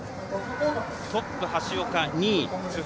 トップ橋岡、２位津波。